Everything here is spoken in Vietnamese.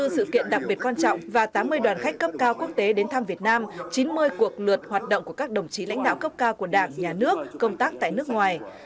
hai mươi sự kiện đặc biệt quan trọng và tám mươi đoàn khách cấp cao quốc tế đến thăm việt nam chín mươi cuộc lượt hoạt động của các đồng chí lãnh đạo cấp cao của đảng nhà nước công tác tại nước ngoài